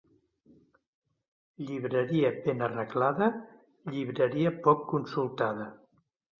Llibreria ben arreglada, llibreria poc consultada.